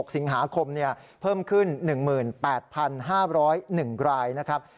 ๒๖สิงหาคมเพิ่มขึ้น๑๘๕๐๑ราย